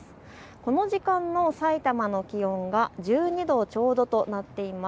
この時間のさいたまの気温は１２度ちょうどとなっています。